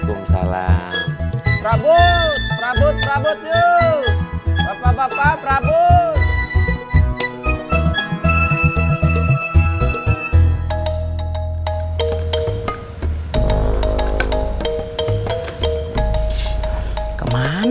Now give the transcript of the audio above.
semoga bermanfaat sih samanya